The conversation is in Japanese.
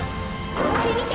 あれみて！